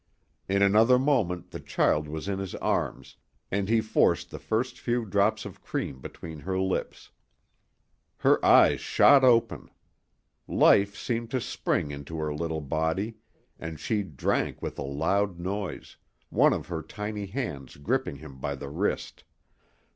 In another moment the child was in his arms, and he forced the first few drops of cream between her lips. Her eyes shot open. Life seemed to spring into her little body; and she drank with a loud noise, one of her tiny hands gripping him by the wrist.